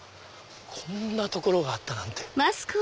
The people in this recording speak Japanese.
こんな所があったなんて。